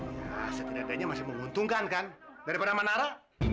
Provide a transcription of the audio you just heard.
ya setidaknya masih menguntungkan kan daripada sama nara